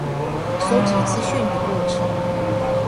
搜集資訊的過程